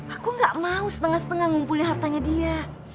aku gak mau setengah setengah ngumpulin hartanya dia